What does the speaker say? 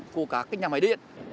của các nhà máy điện